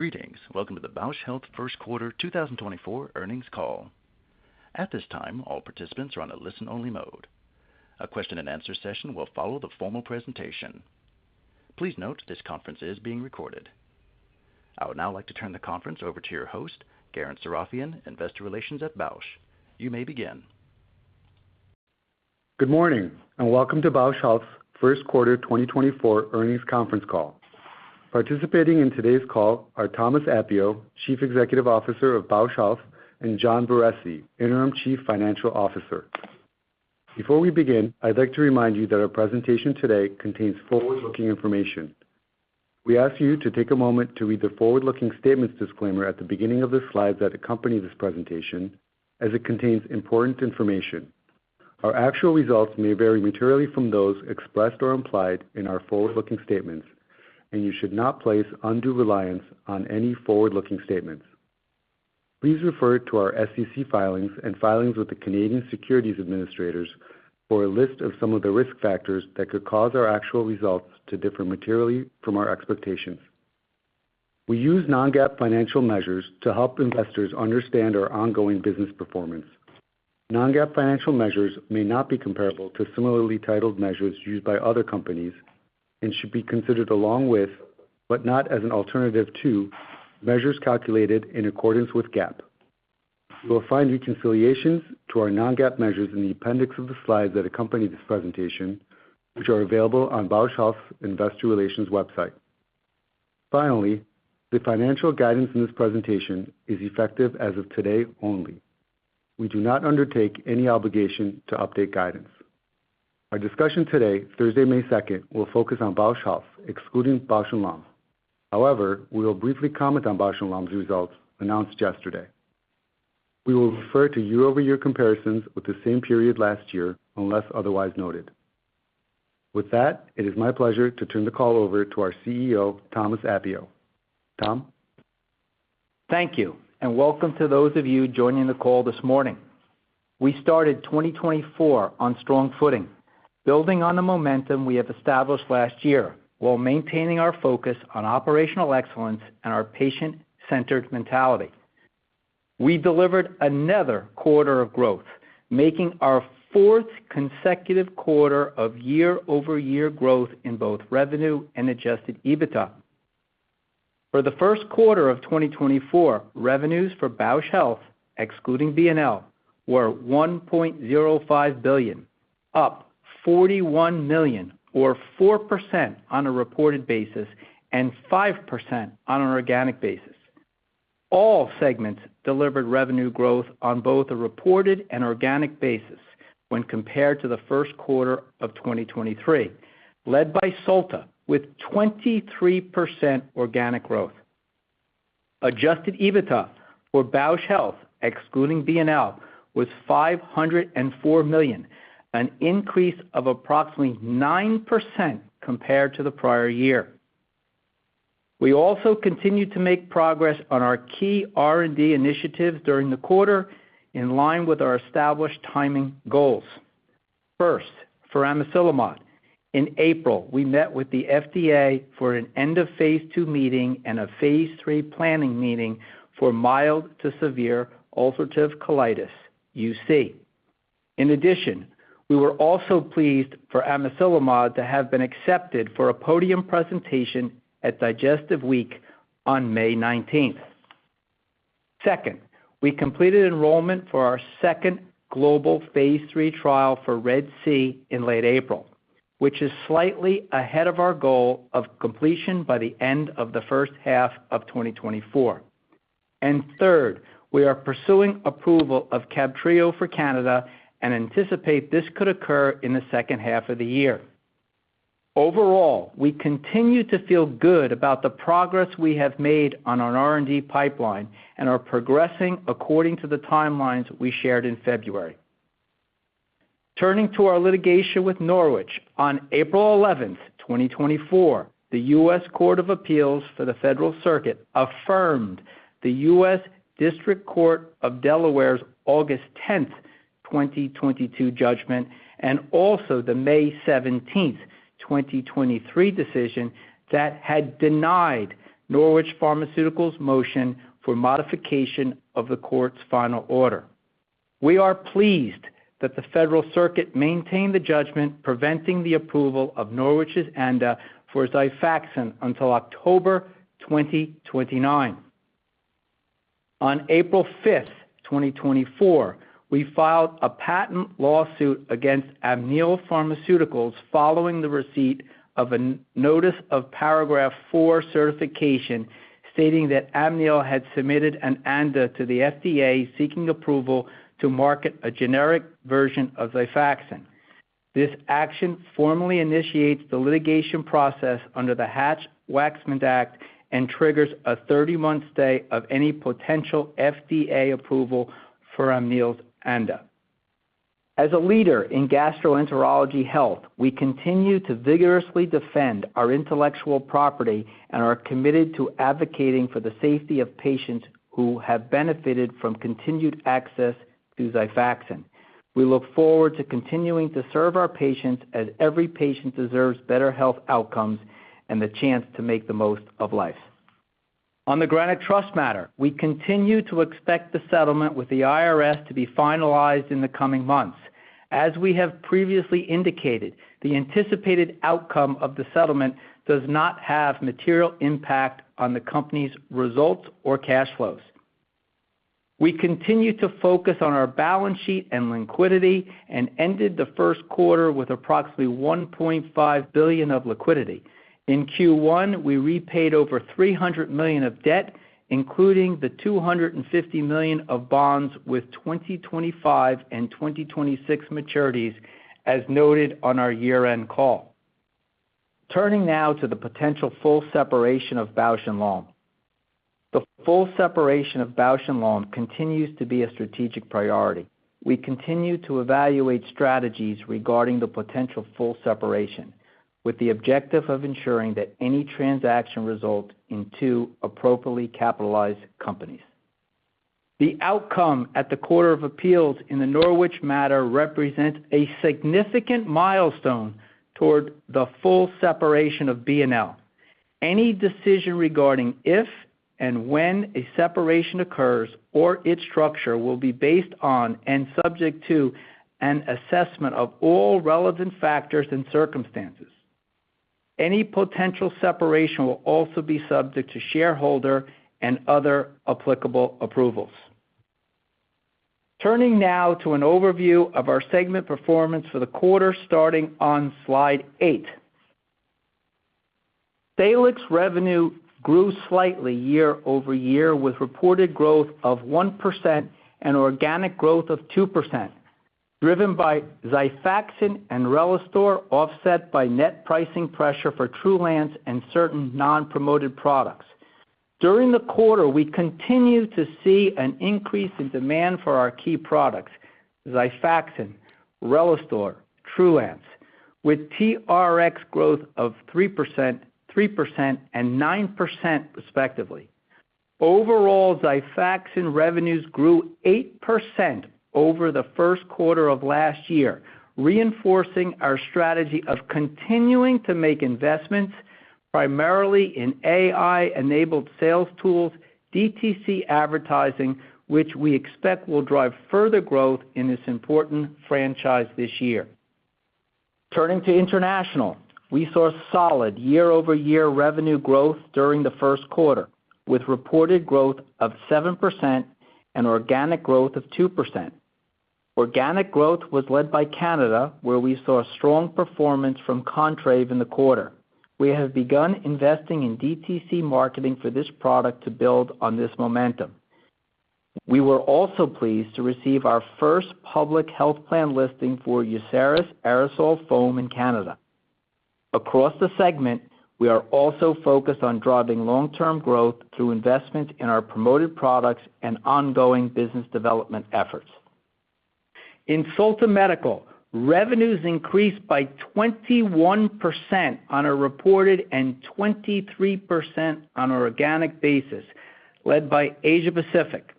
Greetings. Welcome to the Bausch Health First Quarter 2024 Earnings Call. At this time, all participants are on a listen-only mode. A question-and-answer session will follow the formal presentation. Please note, this conference is being recorded. I would now like to turn the conference over to your host, Garen Sarafian, Investor Relations at Bausch. You may begin. Good morning, and welcome to Bausch Health's first quarter 2024 Earnings Conference Call. Participating in today's call are Thomas Appio, Chief Executive Officer of Bausch Health, and John Barresi, Interim Chief Financial Officer. Before we begin, I'd like to remind you that our presentation today contains forward-looking information. We ask you to take a moment to read the forward-looking statements disclaimer at the beginning of the slides that accompany this presentation, as it contains important information. Our actual results may vary materially from those expressed or implied in our forward-looking statements, and you should not place undue reliance on any forward-looking statements. Please refer to our SEC filings and filings with the Canadian Securities Administrators for a list of some of the risk factors that could cause our actual results to differ materially from our expectations. We use non-GAAP financial measures to help investors understand our ongoing business performance. Non-GAAP financial measures may not be comparable to similarly titled measures used by other companies and should be considered along with, but not as an alternative to, measures calculated in accordance with GAAP. You will find reconciliations to our non-GAAP measures in the appendix of the slides that accompany this presentation, which are available on Bausch Health's Investor Relations website. Finally, the financial guidance in this presentation is effective as of today only. We do not undertake any obligation to update guidance. Our discussion today, Thursday, May 2, will focus on Bausch Health, excluding Bausch + Lomb. However, we will briefly comment on Bausch + Lomb's results announced yesterday. We will refer to year-over-year comparisons with the same period last year, unless otherwise noted. With that, it is my pleasure to turn the call over to our CEO, Thomas Appio. Tom? Thank you, and welcome to those of you joining the call this morning. We started 2024 on strong footing, building on the momentum we have established last year, while maintaining our focus on operational excellence and our patient-centered mentality. We delivered another quarter of growth, making our fourth consecutive quarter of year-over-year growth in both revenue and adjusted EBITDA. For the first quarter of 2024, revenues for Bausch Health, excluding B&L, were $1.05 billion, up $41 million, or 4% on a reported basis and 5% on an organic basis. All segments delivered revenue growth on both a reported and organic basis when compared to the first quarter of 2023, led by Solta, with 23% organic growth. Adjusted EBITDA for Bausch Health, excluding B&L, was $504 million, an increase of approximately 9% compared to the prior year. We also continued to make progress on our key R&D initiatives during the quarter, in line with our established timing goals. First, for Amiselimod. In April, we met with the FDA for an end-of-phase 2 meeting and a phase 3 planning meeting for mild to severe ulcerative colitis, UC. In addition, we were also pleased for amiselimod to have been accepted for a podium presentation at Digestive Week on May 19. Second, we completed enrollment for our second global phase 3 trial for RED-C in late April, which is slightly ahead of our goal of completion by the end of the first half of 2024. And third, we are pursuing approval of CABTREO for Canada and anticipate this could occur in the second half of the year. Overall, we continue to feel good about the progress we have made on our R&D pipeline and are progressing according to the timelines we shared in February. Turning to our litigation with Norwich, on April eleventh, 2024, the U.S. Court of Appeals for the Federal Circuit affirmed the U.S. District Court of Delaware's August tenth, 2022 judgment, and also the May seventeenth, 2023 decision that had denied Norwich Pharmaceuticals' motion for modification of the court's final order. We are pleased that the Federal Circuit maintained the judgment, preventing the approval of Norwich's ANDA for XIFAXAN until October twenty twenty-nine. On April fifth, 2024, we filed a patent lawsuit against Amneal Pharmaceuticals following the receipt of a notice of Paragraph IV certification, stating that Amneal had submitted an ANDA to the FDA, seeking approval to market a generic version of XIFAXAN. This action formally initiates the litigation process under the Hatch-Waxman Act and triggers a 30-month stay of any potential FDA approval for Amneal's ANDA. As a leader in gastroenterology health, we continue to vigorously defend our intellectual property and are committed to advocating for the safety of patients who have benefited from continued access to XIFAXAN. We look forward to continuing to serve our patients, as every patient deserves better health outcomes and the chance to make the most of life. On the Granite Trust matter, we continue to expect the settlement with the IRS to be finalized in the coming months. As we have previously indicated, the anticipated outcome of the settlement does not have material impact on the company's results or cash flows. We continue to focus on our balance sheet and liquidity, and ended the first quarter with approximately $1.5 billion of liquidity. In Q1, we repaid over $300 million of debt, including the $250 million of bonds with 2025 and 2026 maturities, as noted on our year-end call. Turning now to the potential full separation of Bausch + Lomb. The full separation of Bausch + Lomb continues to be a strategic priority. We continue to evaluate strategies regarding the potential full separation, with the objective of ensuring that any transaction result in two appropriately capitalized companies. The outcome at the Court of Appeals in the Norwich matter represents a significant milestone toward the full separation of BNL. Any decision regarding if and when a separation occurs or its structure will be based on, and subject to, an assessment of all relevant factors and circumstances. Any potential separation will also be subject to shareholder and other applicable approvals. Turning now to an overview of our segment performance for the quarter, starting on Slide 8. Salix revenue grew slightly year-over-year, with reported growth of 1% and organic growth of 2%, driven by XIFAXAN and Relistor, offset by net pricing pressure for Trulance and certain non-promoted products. During the quarter, we continued to see an increase in demand for our key products, XIFAXAN, Relistor, Trulance, with TRX growth of 3%, 3%, and 9% respectively. Overall, XIFAXAN revenues grew 8% over the first quarter of last year, reinforcing our strategy of continuing to make investments, primarily in AI-enabled sales tools, DTC advertising, which we expect will drive further growth in this important franchise this year. Turning to international, we saw solid year-over-year revenue growth during the first quarter, with reported growth of 7% and organic growth of 2%. Organic growth was led by Canada, where we saw strong performance from Contrave in the quarter. We have begun investing in DTC marketing for this product to build on this momentum. We were also pleased to receive our first public health plan listing for UCERIS aerosol foam in Canada. Across the segment, we are also focused on driving long-term growth through investments in our promoted products and ongoing business development efforts. In Solta Medical, revenues increased by 21% on a reported and 23% on an organic basis, led by Asia Pacific.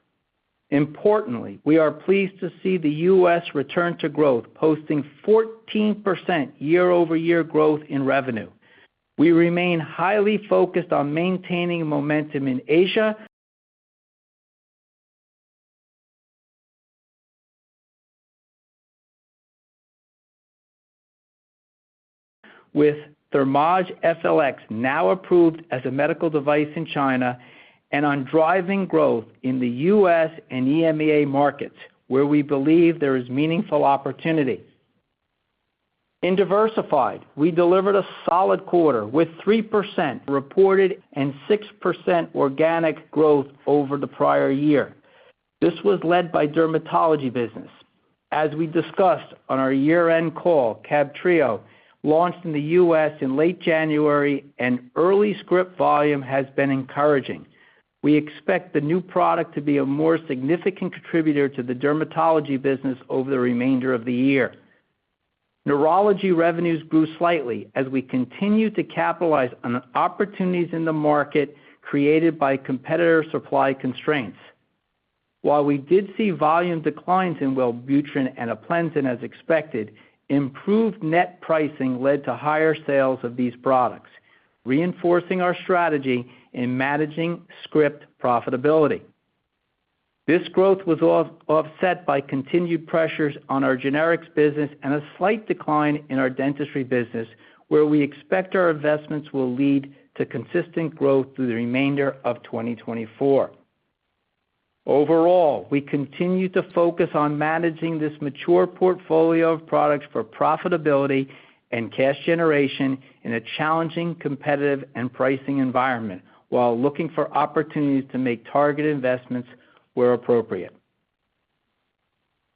Importantly, we are pleased to see the U.S. return to growth, posting 14% year-over-year growth in revenue. We remain highly focused on maintaining momentum in Asia, with Thermage FLX now approved as a medical device in China and on driving growth in the U.S. and EMEA markets, where we believe there is meaningful opportunity. In Diversified, we delivered a solid quarter with 3% reported and 6% organic growth over the prior year. This was led by dermatology business. As we discussed on our year-end call, Cabtrio, launched in the U.S. in late January, and early script volume has been encouraging. We expect the new product to be a more significant contributor to the dermatology business over the remainder of the year. Neurology revenues grew slightly as we continued to capitalize on opportunities in the market created by competitor supply constraints. While we did see volume declines in Wellbutrin and Aplenzin, as expected, improved net pricing led to higher sales of these products, reinforcing our strategy in managing script profitability. This growth was offset by continued pressures on our generics business and a slight decline in our dentistry business, where we expect our investments will lead to consistent growth through the remainder of 2024. Overall, we continue to focus on managing this mature portfolio of products for profitability and cash generation in a challenging, competitive, and pricing environment, while looking for opportunities to make targeted investments where appropriate.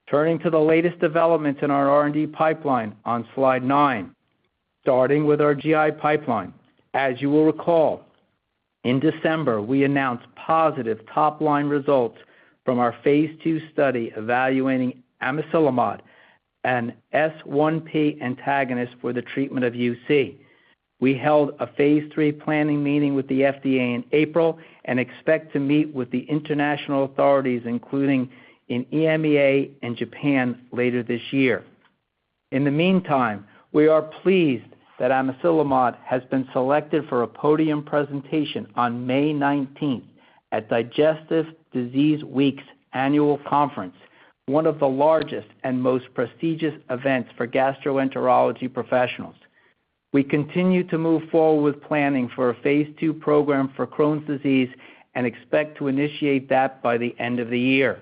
Turning to the latest developments in our R&D pipeline on Slide 9. Starting with our GI pipeline, as you will recall, in December, we announced positive top-line results from our phase 2 study evaluating Amiselimod, an S1P antagonist for the treatment of UC. We held a phase 3 planning meeting with the FDA in April and expect to meet with the international authorities, including in EMEA and Japan, later this year. In the meantime, we are pleased that Amiselimod has been selected for a podium presentation on May 19, at Digestive Disease Week's annual conference, one of the largest and most prestigious events for gastroenterology professionals. We continue to move forward with planning for a phase 2 program for Crohn's disease, and expect to initiate that by the end of the year.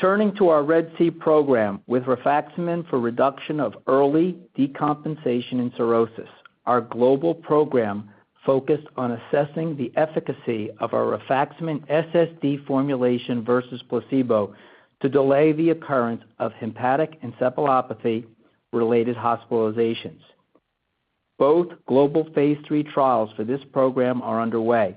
Turning to our RED-C program, with rifaximin for reduction of early decompensation and cirrhosis, our global program focused on assessing the efficacy of our rifaximin SSD formulation versus placebo to delay the occurrence of hepatic encephalopathy-related hospitalizations. Both global phase 3 trials for this program are underway.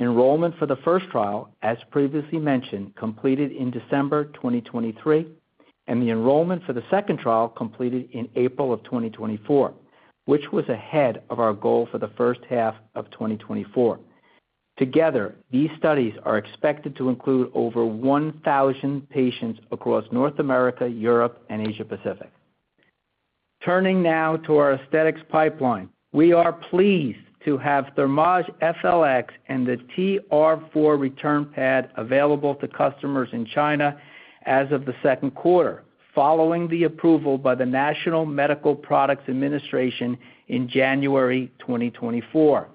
Enrollment for the first trial, as previously mentioned, completed in December 2023, and the enrollment for the second trial completed in April 2024, which was ahead of our goal for the first half of 2024. Together, these studies are expected to include over 1,000 patients across North America, Europe, and Asia Pacific. Turning now to our aesthetics pipeline. We are pleased to have Thermage FLX and the TR4 Return Pad available to customers in China as of the second quarter, following the approval by the National Medical Products Administration in January 2024.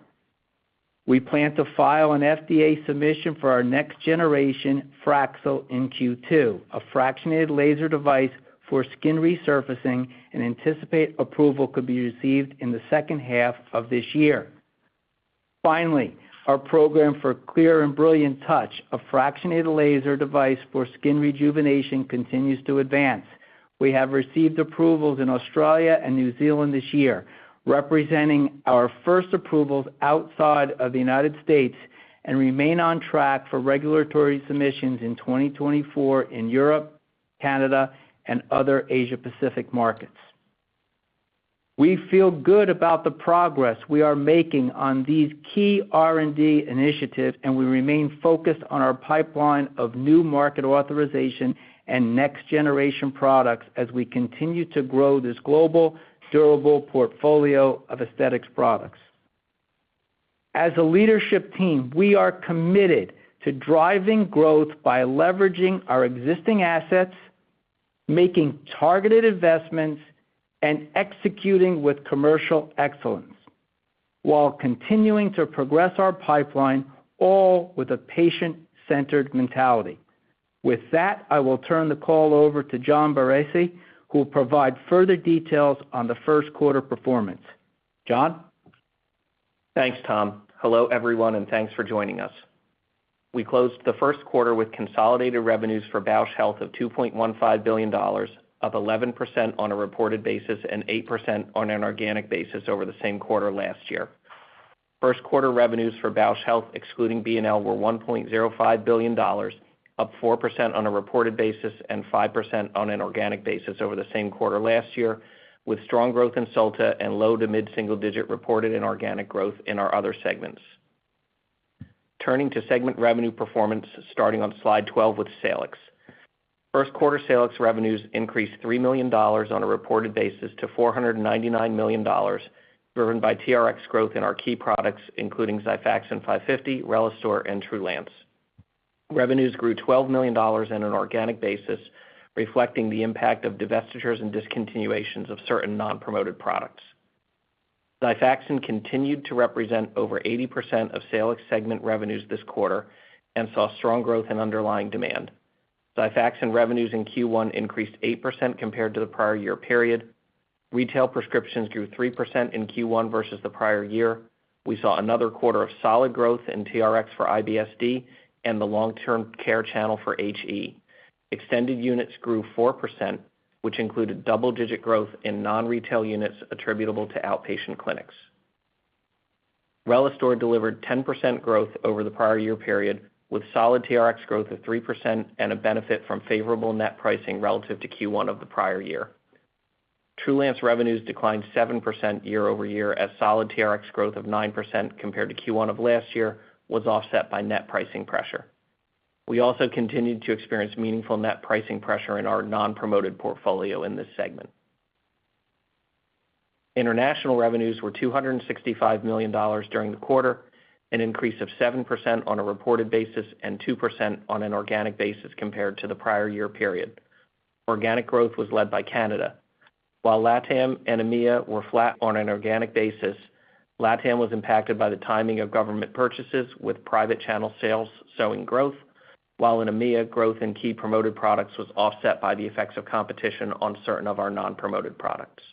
We plan to file an FDA submission for our next generation, Fraxel, in Q2, a fractionated laser device for skin resurfacing, and anticipate approval could be received in the second half of this year. Finally, our program for Clear + Brilliant Touch, a fractionated laser device for skin rejuvenation, continues to advance. We have received approvals in Australia and New Zealand this year, representing our first approvals outside of the United States, and remain on track for regulatory submissions in 2024 in Europe, Canada, and other Asia Pacific markets. We feel good about the progress we are making on these key R&D initiatives, and we remain focused on our pipeline of new market authorization and next-generation products as we continue to grow this global, durable portfolio of aesthetics products. As a leadership team, we are committed to driving growth by leveraging our existing assets, making targeted investments, and executing with commercial excellence, while continuing to progress our pipeline, all with a patient-centered mentality. With that, I will turn the call over to John Barresi, who will provide further details on the first quarter performance. John? Thanks, Tom. Hello, everyone, and thanks for joining us. We closed the first quarter with consolidated revenues for Bausch Health of $2.15 billion, up 11% on a reported basis and 8% on an organic basis over the same quarter last year. First quarter revenues for Bausch Health, excluding B+L, were $1.05 billion, up 4% on a reported basis and 5% on an organic basis over the same quarter last year, with strong growth in Solta and low- to mid-single-digit reported and organic growth in our other segments. Turning to segment revenue performance, starting on slide 12 with Salix. First quarter Salix revenues increased $3 million on a reported basis to $499 million, driven by TRX growth in our key products, including Xifaxan 550, Relistor, and Trulance. Revenues grew $12 million on an organic basis, reflecting the impact of divestitures and discontinuations of certain non-promoted products. Xifaxan continued to represent over 80% of Salix segment revenues this quarter and saw strong growth in underlying demand. Xifaxan revenues in Q1 increased 8% compared to the prior year period. Retail prescriptions grew 3% in Q1 versus the prior year. We saw another quarter of solid growth in TRX for IBS-D and the long-term care channel for HE. Extended units grew 4%, which included double-digit growth in non-retail units attributable to outpatient clinics. Relistor delivered 10% growth over the prior year period, with solid TRX growth of 3% and a benefit from favorable net pricing relative to Q1 of the prior year period. Trulance revenues declined 7% year-over-year, as solid TRX growth of 9% compared to Q1 of last year was offset by net pricing pressure. We also continued to experience meaningful net pricing pressure in our non-promoted portfolio in this segment. International revenues were $265 million during the quarter, an increase of 7% on a reported basis and 2% on an organic basis compared to the prior year period. Organic growth was led by Canada. While LATAM and EMEA were flat on an organic basis, LATAM was impacted by the timing of government purchases, with private channel sales showing growth, while in EMEA, growth in key promoted products was offset by the effects of competition on certain of our non-promoted products.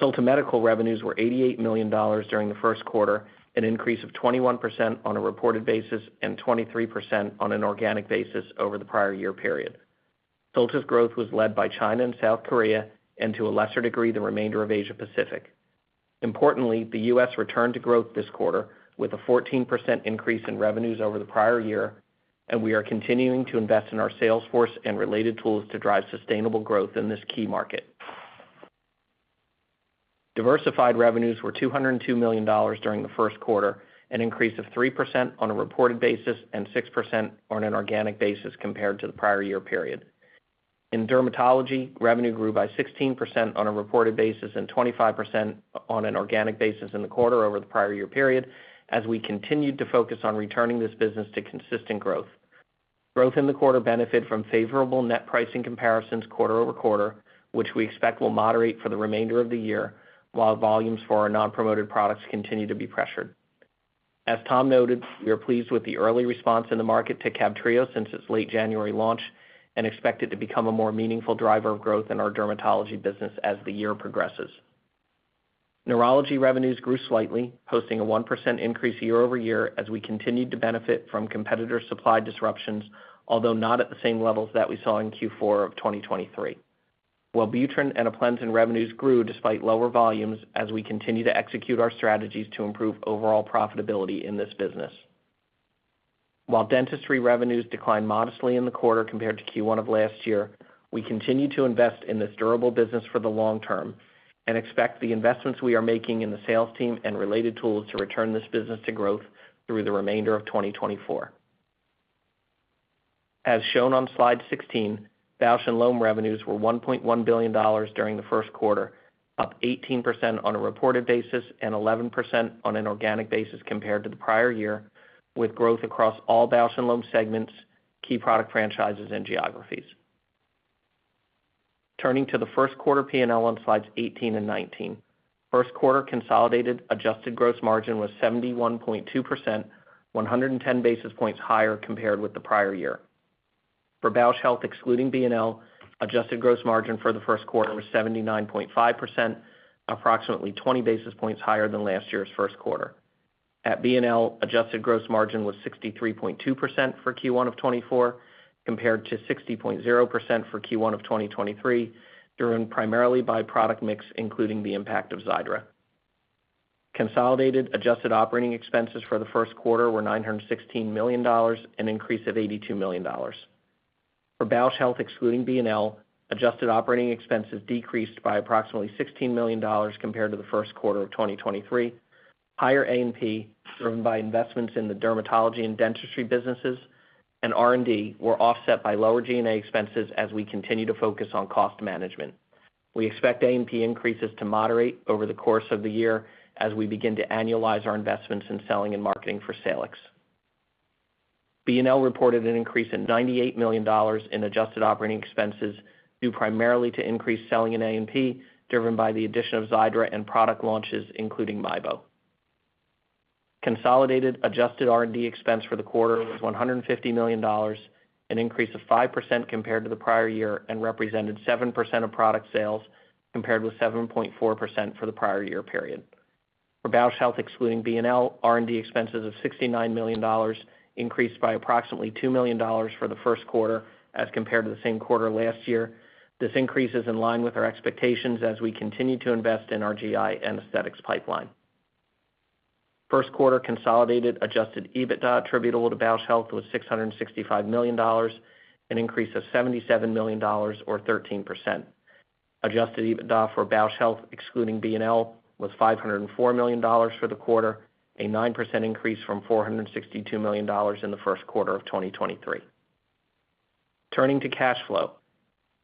Solta Medical revenues were $88 million during the first quarter, an increase of 21% on a reported basis and 23% on an organic basis over the prior year period. Solta's growth was led by China and South Korea, and to a lesser degree, the remainder of Asia Pacific. Importantly, the US returned to growth this quarter with a 14% increase in revenues over the prior year, and we are continuing to invest in our sales force and related tools to drive sustainable growth in this key market.... Diversified revenues were $202 million during the first quarter, an increase of 3% on a reported basis and 6% on an organic basis compared to the prior year period. In dermatology, revenue grew by 16% on a reported basis and 25% on an organic basis in the quarter over the prior year period, as we continued to focus on returning this business to consistent growth. Growth in the quarter benefited from favorable net pricing comparisons quarter-over-quarter, which we expect will moderate for the remainder of the year, while volumes for our non-promoted products continue to be pressured. As Tom noted, we are pleased with the early response in the market to CABTRIO since its late January launch, and expect it to become a more meaningful driver of growth in our dermatology business as the year progresses. Neurology revenues grew slightly, posting a 1% increase year-over-year as we continued to benefit from competitor supply disruptions, although not at the same levels that we saw in Q4 of 2023. Wellbutrin and Aplenzin revenues grew despite lower volumes as we continue to execute our strategies to improve overall profitability in this business. While dentistry revenues declined modestly in the quarter compared to Q1 of last year, we continue to invest in this durable business for the long term and expect the investments we are making in the sales team and related tools to return this business to growth through the remainder of 2024. As shown on slide 16, Bausch + Lomb revenues were $1.1 billion during the first quarter, up 18% on a reported basis and 11% on an organic basis compared to the prior year, with growth across all Bausch + Lomb segments, key product franchises, and geographies. Turning to the first quarter P&L on slides 18 and 19. First quarter consolidated adjusted gross margin was 71.2%, 110 basis points higher compared with the prior year. For Bausch Health, excluding BNL, adjusted gross margin for the first quarter was 79.5%, approximately 20 basis points higher than last year's first quarter. At BNL, adjusted gross margin was 63.2% for Q1 of 2024, compared to 60.0% for Q1 of 2023, driven primarily by product mix, including the impact of Xiidra. Consolidated adjusted operating expenses for the first quarter were $916 million, an increase of $82 million. For Bausch Health, excluding BNL, adjusted operating expenses decreased by approximately $16 million compared to the first quarter of 2023. Higher A&P, driven by investments in the dermatology and dentistry businesses and R&D, were offset by lower G&A expenses as we continue to focus on cost management. We expect A&P increases to moderate over the course of the year as we begin to annualize our investments in selling and marketing for Salix. Bausch + Lomb reported an increase of $98 million in adjusted operating expenses, due primarily to increased selling in A&P, driven by the addition of Xiidra and product launches, including MIEBO. Consolidated adjusted R&D expense for the quarter was $150 million, an increase of 5% compared to the prior year, and represented 7% of product sales, compared with 7.4% for the prior year period. For Bausch Health, excluding BNL, R&D expenses of $69 million increased by approximately $2 million for the first quarter as compared to the same quarter last year. This increase is in line with our expectations as we continue to invest in our GI anesthetics pipeline. First quarter consolidated adjusted EBITDA attributable to Bausch Health was $665 million, an increase of $77 million, or 13%. Adjusted EBITDA for Bausch Health, excluding BNL, was $504 million for the quarter, a 9% increase from $462 million in the first quarter of 2023. Turning to cash flow.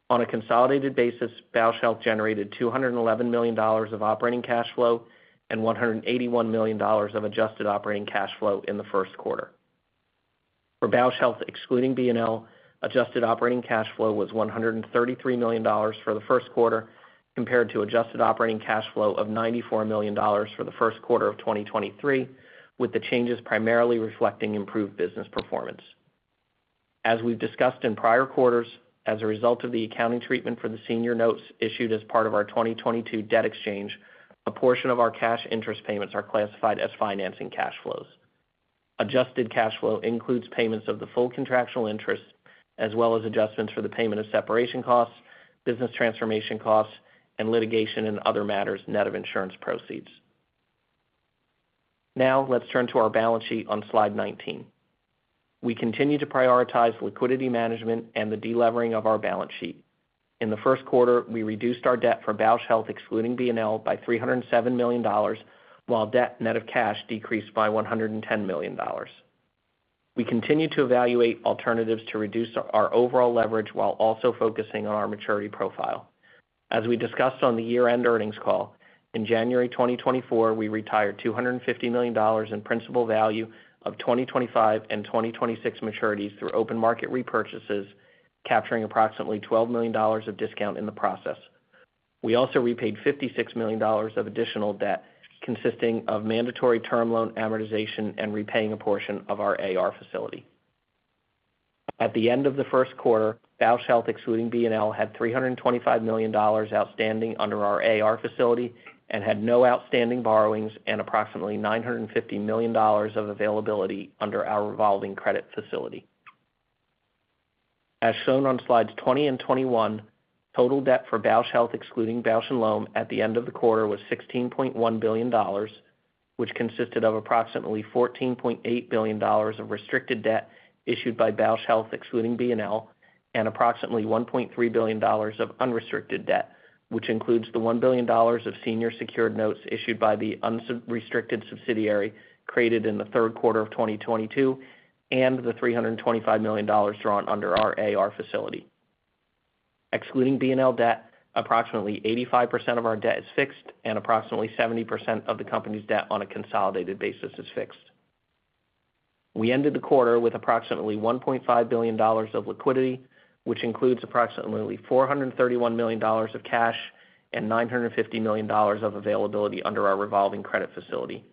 On a consolidated basis, Bausch Health generated $211 million of operating cash flow and $181 million of adjusted operating cash flow in the first quarter. For Bausch Health, excluding B+L, adjusted operating cash flow was $133 million for the first quarter, compared to adjusted operating cash flow of $94 million for the first quarter of 2023, with the changes primarily reflecting improved business performance. As we've discussed in prior quarters, as a result of the accounting treatment for the senior notes issued as part of our 2022 debt exchange, a portion of our cash interest payments are classified as financing cash flows. Adjusted cash flow includes payments of the full contractual interest, as well as adjustments for the payment of separation costs, business transformation costs, and litigation and other matters net of insurance proceeds. Now, let's turn to our balance sheet on slide 19. We continue to prioritize liquidity management and the delevering of our balance sheet. In the first quarter, we reduced our debt for Bausch Health, excluding BNL, by $307 million, while debt net of cash decreased by $110 million. We continue to evaluate alternatives to reduce our overall leverage while also focusing on our maturity profile. As we discussed on the year-end earnings call, in January 2024, we retired $250 million in principal value of 2025 and 2026 maturities through open market repurchases, capturing approximately $12 million of discount in the process. We also repaid $56 million of additional debt, consisting of mandatory term loan amortization and repaying a portion of our AR facility. At the end of the first quarter, Bausch Health, excluding BNL, had $325 million outstanding under our AR facility and had no outstanding borrowings and approximately $950 million of availability under our revolving credit facility. As shown on slides 20 and 21, total debt for Bausch Health, excluding Bausch + Lomb, at the end of the quarter was $16.1 billion, which consisted of approximately $14.8 billion of restricted debt issued by Bausch Health, excluding BNL, and approximately $1.3 billion of unrestricted debt, which includes the $1 billion of senior secured notes issued by the unrestricted subsidiary created in the third quarter of 2022, and the $325 million drawn under our AR facility. Excluding BNL debt, approximately 85% of our debt is fixed, and approximately 70% of the company's debt on a consolidated basis is fixed. We ended the quarter with approximately $1.5 billion of liquidity, which includes approximately $431 million of cash and $950 million of availability under our revolving credit facility.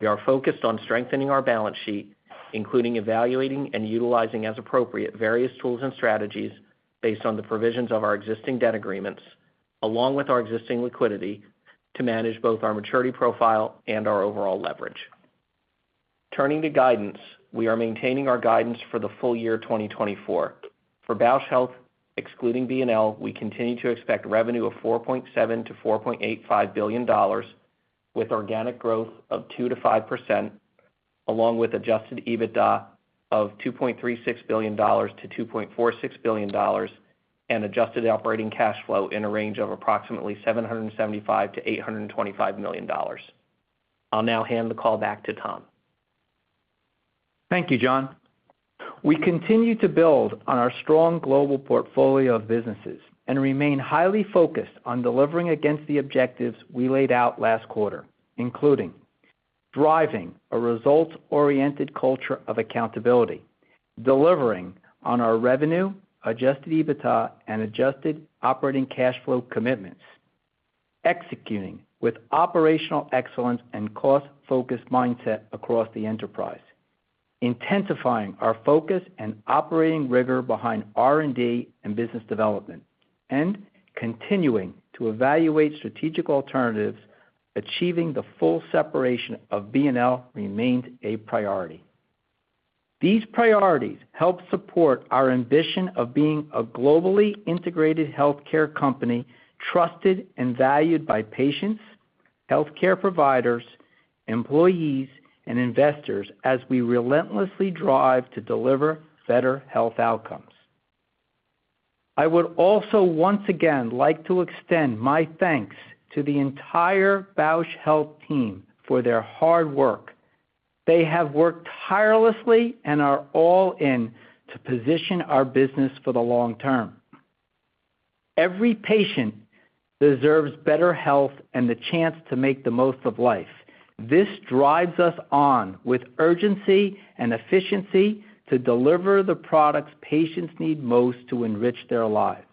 We are focused on strengthening our balance sheet, including evaluating and utilizing, as appropriate, various tools and strategies based on the provisions of our existing debt agreements, along with our existing liquidity, to manage both our maturity profile and our overall leverage. Turning to guidance, we are maintaining our guidance for the full year 2024. For Bausch Health, excluding BNL, we continue to expect revenue of $4.7 billion-$4.85 billion, with organic growth of 2%-5%, along with Adjusted EBITDA of $2.36 billion-$2.46 billion, and adjusted operating cash flow in a range of approximately $775 million-$825 million. I'll now hand the call back to Tom. Thank you, John. We continue to build on our strong global portfolio of businesses and remain highly focused on delivering against the objectives we laid out last quarter, including driving a results-oriented culture of accountability, delivering on our revenue, Adjusted EBITDA, and Adjusted Operating Cash Flow commitments, executing with operational excellence and cost-focused mindset across the enterprise, intensifying our focus and operating rigor behind R&D and business development, and continuing to evaluate strategic alternatives. Achieving the full separation of B&L remains a priority. These priorities help support our ambition of being a globally integrated healthcare company, trusted and valued by patients, healthcare providers, employees, and investors, as we relentlessly drive to deliver better health outcomes. I would also, once again, like to extend my thanks to the entire Bausch Health team for their hard work. They have worked tirelessly and are all in to position our business for the long term. Every patient deserves better health and the chance to make the most of life. This drives us on with urgency and efficiency to deliver the products patients need most to enrich their lives.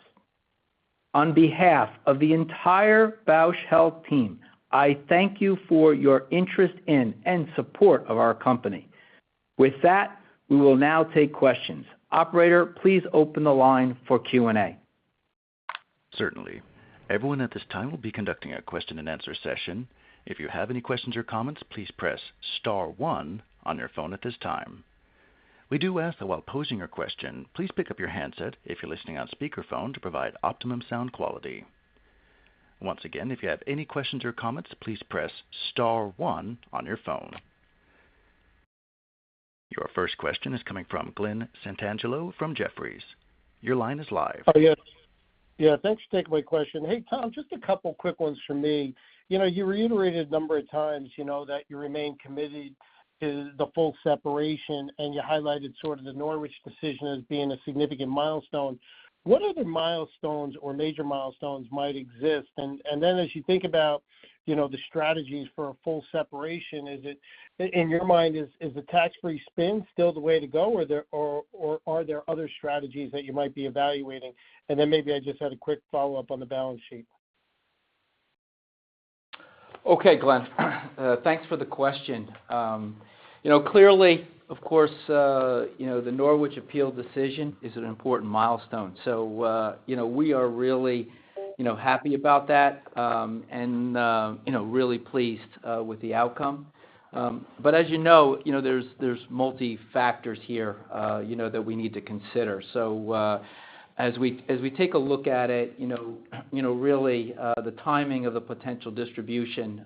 On behalf of the entire Bausch Health team, I thank you for your interest in and support of our company. With that, we will now take questions. Operator, please open the line for Q&A. Certainly. Everyone at this time, we'll be conducting a question-and-answer session. If you have any questions or comments, please press star one on your phone at this time. We do ask that while posing your question, please pick up your handset if you're listening on speakerphone to provide optimum sound quality. Once again, if you have any questions or comments, please press star one on your phone. Your first question is coming from Glenn Santangelo from Jefferies. Your line is live. Oh, yes. Yeah, thanks for taking my question. Hey, Tom, just a couple quick ones from me. You know, you reiterated a number of times, you know, that you remain committed to the full separation, and you highlighted sort of the Norwich decision as being a significant milestone. What other milestones or major milestones might exist? And then as you think about, you know, the strategies for a full separation, is it in your mind, is the tax-free spin still the way to go, or are there other strategies that you might be evaluating? And then maybe I just had a quick follow-up on the balance sheet. Okay, Glenn, thanks for the question. You know, clearly, of course, you know, the Norwich appeal decision is an important milestone. So, you know, we are really, you know, happy about that, and, you know, really pleased with the outcome. But as you know, you know, there's, there's multiple factors here, you know, that we need to consider. So, as we, as we take a look at it, you know, you know, really, the timing of the potential distribution,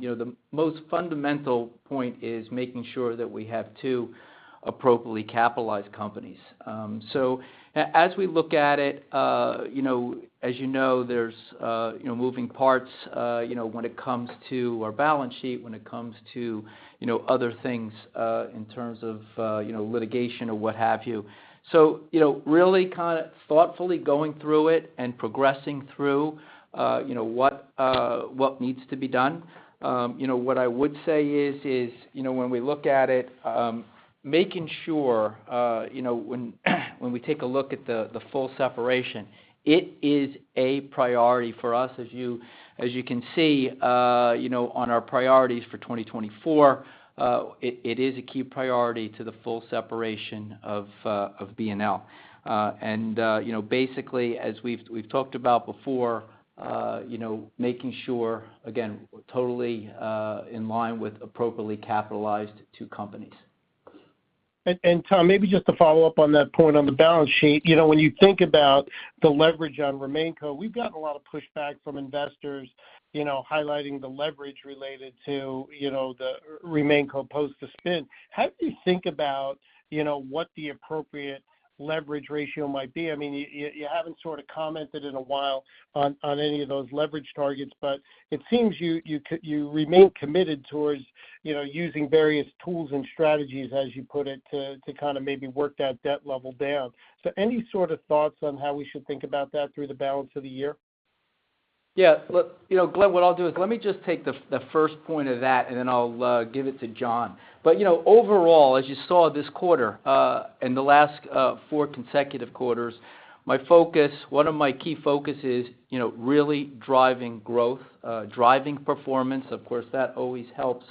you know, the most fundamental point is making sure that we have two appropriately capitalized companies. So as we look at it, you know, as you know, there's, you know, moving parts, you know, when it comes to our balance sheet, when it comes to, you know, other things, in terms of, you know, litigation or what have you. So, you know, really kind of thoughtfully going through it and progressing through, you know, what what needs to be done. You know, what I would say is, is, you know, when we look at it, making sure, you know, when, when we take a look at the, the full separation, it is a priority for us. As you, as you can see, you know, on our priorities for 2024, it, it is a key priority to the full separation of, of BNL. And, you know, basically, as we've talked about before, you know, making sure, again, we're totally in line with appropriately capitalized two companies.... Tom, maybe just to follow up on that point on the balance sheet. You know, when you think about the leverage on RemainCo, we've gotten a lot of pushback from investors, you know, highlighting the leverage related to, you know, the RemainCo post the spin. How do you think about, you know, what the appropriate leverage ratio might be? I mean, you haven't sort of commented in a while on any of those leverage targets, but it seems you remain committed towards, you know, using various tools and strategies, as you put it, to kind of maybe work that debt level down. So any sort of thoughts on how we should think about that through the balance of the year? Yeah. Look, you know, Glenn, what I'll do is let me just take the first point of that, and then I'll give it to John. But, you know, overall, as you saw this quarter, in the last four consecutive quarters, my focus—one of my key focuses, you know, really driving growth, driving performance, of course, that always helps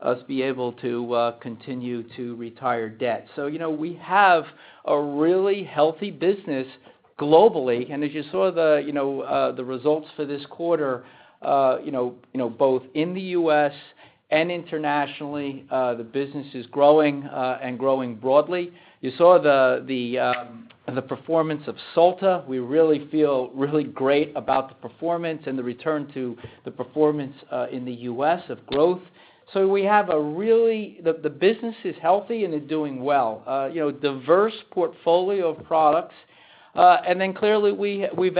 us be able to continue to retire debt. So, you know, we have a really healthy business globally. And as you saw, you know, the results for this quarter, you know, you know, both in the U.S. and internationally, the business is growing, and growing broadly. You saw the performance of Solta. We really feel really great about the performance and the return to the performance, in the U.S. of growth. So we have a really healthy business, and it's doing well, you know, diverse portfolio of products. And then clearly, we're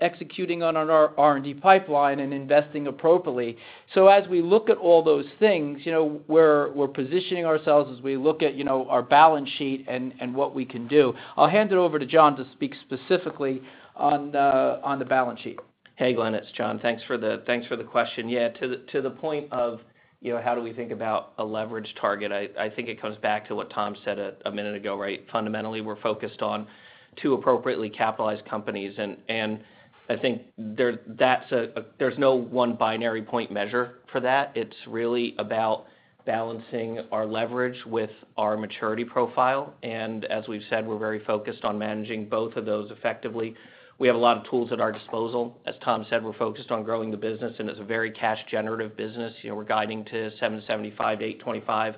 executing on our R&D pipeline and investing appropriately. So as we look at all those things, you know, we're, we're positioning ourselves as we look at, you know, our balance sheet and, and what we can do. I'll hand it over to John to speak specifically on the balance sheet. Hey, Glenn, it's John. Thanks for the, thanks for the question. Yeah, to the, to the point of, you know, how do we think about a leverage target? I, I think it comes back to what Tom said a, a minute ago, right? Fundamentally, we're focused on two appropriately capitalized companies, and, and I think there, that's a, there's no one binary point measure for that. It's really about balancing our leverage with our maturity profile. And as we've said, we're very focused on managing both of those effectively. We have a lot of tools at our disposal. As Tom said, we're focused on growing the business, and it's a very cash-generative business. You know, we're guiding to $775 million-$825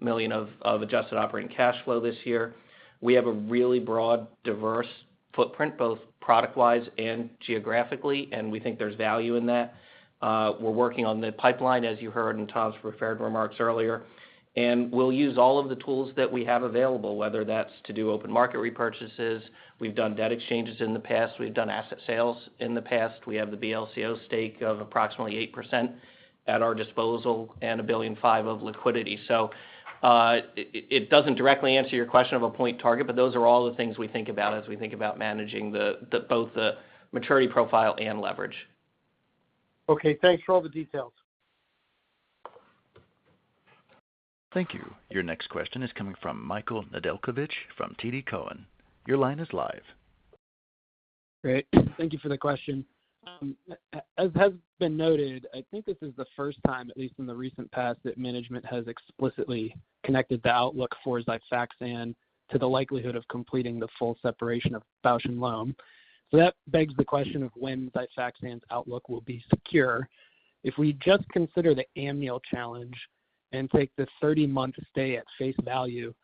million of adjusted operating cash flow this year. We have a really broad, diverse footprint, both product-wise and geographically, and we think there's value in that. We're working on the pipeline, as you heard in Tom's prepared remarks earlier, and we'll use all of the tools that we have available, whether that's to do open market repurchases. We've done debt exchanges in the past. We've done asset sales in the past. We have the BLCO stake of approximately 8% at our disposal and $1.5 billion of liquidity. So, it doesn't directly answer your question of a point target, but those are all the things we think about as we think about managing both the maturity profile and leverage. Okay, thanks for all the details. Thank you. Your next question is coming from Michael Nedelcovych from TD Cowen. Your line is live. Great. Thank you for the question. As has been noted, I think this is the first time, at least in the recent past, that management has explicitly connected the outlook for Xifaxan to the likelihood of completing the full separation of Bausch + Lomb. So that begs the question of when Xifaxan's outlook will be secure. If we just consider the Amneal challenge and take the 30-month stay at face value,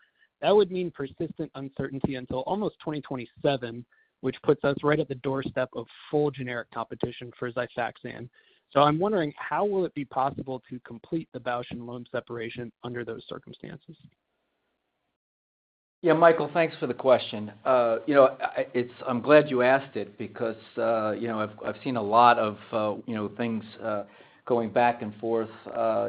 that would mean persistent uncertainty until almost 2027, which puts us right at the doorstep of full generic competition for Xifaxan. So I'm wondering, how will it be possible to complete the Bausch + Lomb separation under those circumstances? Yeah, Michael, thanks for the question. You know, it's. I'm glad you asked it because you know, I've seen a lot of you know, things going back and forth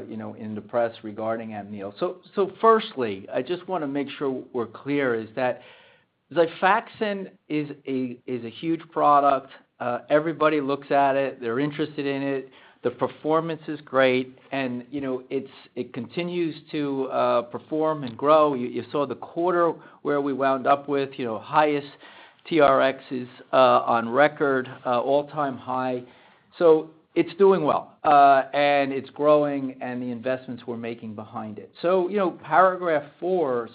you know, in the press regarding Amneal. So firstly, I just wanna make sure we're clear, is that Xifaxan is a huge product. Everybody looks at it. They're interested in it. The performance is great, and you know, it continues to perform and grow. You saw the quarter where we wound up with you know, highest TRXs on record all-time high. So it's doing well and it's growing, and the investments we're making behind it. So you know, Paragraph IV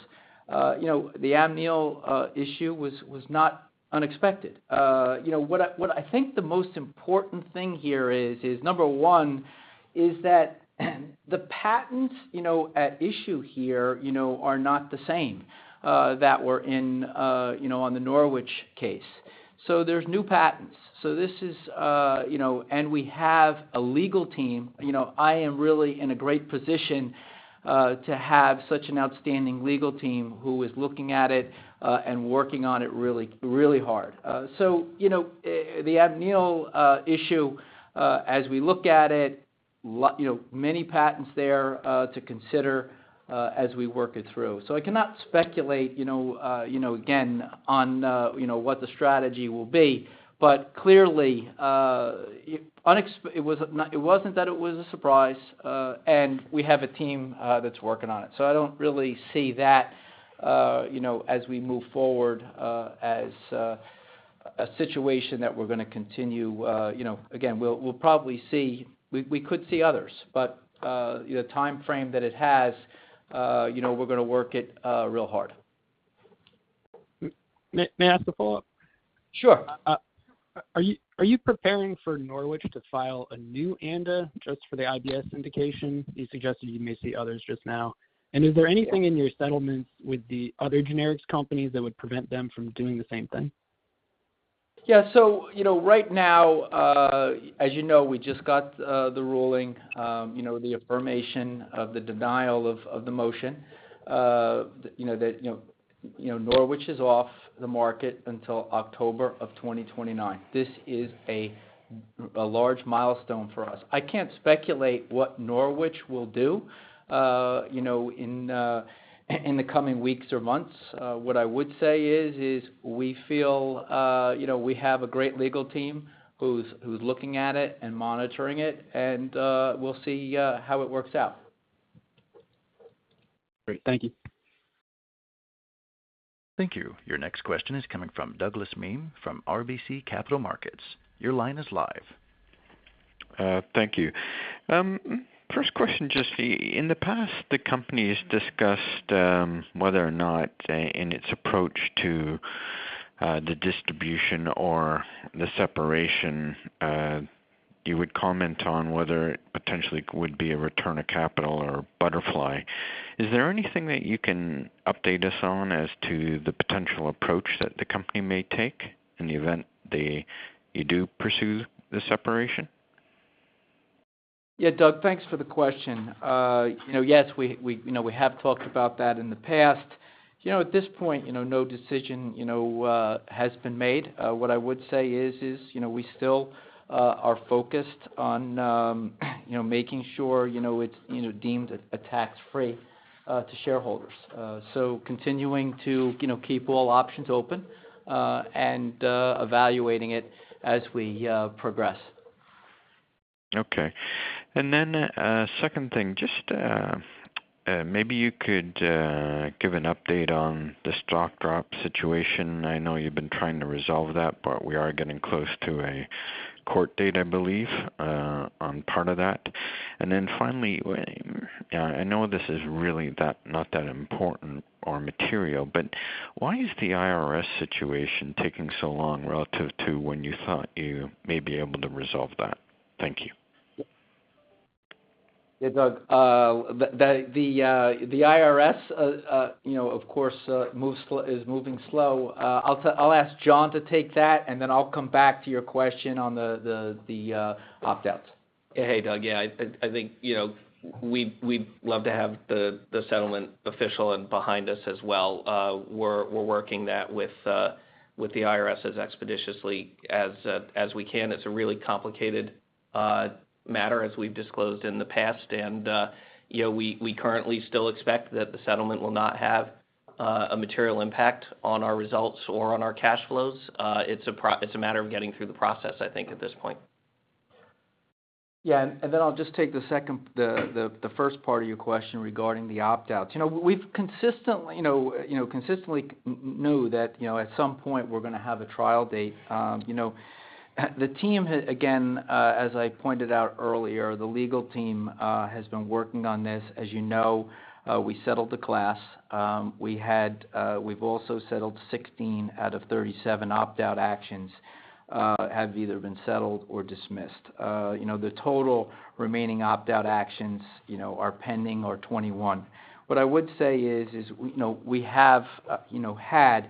you know, the Amneal issue was not unexpected. You know, what I, what I think the most important thing here is, is number one, is that the patents, you know, at issue here, you know, are not the same that were in, you know, on the Norwich case. So there's new patents. So this is, you know, and we have a legal team. You know, I am really in a great position to have such an outstanding legal team who is looking at it and working on it really, really hard. So, you know, the Amneal issue, as we look at it, you know, many patents there to consider, as we work it through. So I cannot speculate, you know, you know, again, on, you know, what the strategy will be. But clearly, it wasn't that it was a surprise, and we have a team that's working on it. So I don't really see that, you know, as we move forward, as a situation that we're gonna continue, you know. Again, we'll probably see, we could see others, but the timeframe that it has, you know, we're gonna work it real hard.... May I ask a follow-up? Sure. Are you preparing for Norwich to file a new ANDA just for the IBS indication? You suggested you may see others just now. And is there anything in your settlements with the other generics companies that would prevent them from doing the same thing? Yeah. So, you know, right now, as you know, we just got the ruling, you know, the affirmation of the denial of the motion. You know, that, you know, Norwich is off the market until October of 2029. This is a large milestone for us. I can't speculate what Norwich will do, you know, in the coming weeks or months. What I would say is we feel, you know, we have a great legal team who's looking at it and monitoring it, and we'll see how it works out. Great. Thank you. Thank you. Your next question is coming from Douglas Miehm from RBC Capital Markets. Your line is live. Thank you. First question, just, in the past, the company has discussed whether or not in its approach to the distribution or the separation, you would comment on whether it potentially would be a return of capital or butterfly. Is there anything that you can update us on as to the potential approach that the company may take in the event you do pursue the separation? Yeah, Doug, thanks for the question. You know, yes, we have talked about that in the past. You know, at this point, you know, no decision has been made. What I would say is, you know, we still are focused on making sure it's deemed a tax-free to shareholders. So continuing to keep all options open and evaluating it as we progress. Okay. And then, second thing, just, maybe you could give an update on the stock drop situation. I know you've been trying to resolve that, but we are getting close to a court date, I believe, on part of that. And then finally, I know this is really not that important or material, but why is the IRS situation taking so long relative to when you thought you may be able to resolve that? Thank you. Yeah, Doug, the IRS, you know, of course, moves slow, is moving slow. I'll ask John to take that, and then I'll come back to your question on the opt-outs. Hey, Doug. Yeah, I think, you know, we'd love to have the settlement official and behind us as well. We're working that with the IRS as expeditiously as we can. It's a really complicated matter as we've disclosed in the past, and, you know, we currently still expect that the settlement will not have a material impact on our results or on our cash flows. It's a matter of getting through the process, I think, at this point. Yeah, and then I'll just take the second, the first part of your question regarding the opt-outs. You know, we've consistently, you know, consistently knew that, you know, at some point we're gonna have a trial date. You know, the team, again, as I pointed out earlier, the legal team has been working on this. As you know, we settled the class. We've also settled 16 out of 37 opt-out actions have either been settled or dismissed. You know, the total remaining opt-out actions, you know, are pending or 21. What I would say is, you know, we have, you know, had